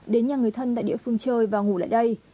đến nhà người thân tại địa phương chơi và ngủ lại đây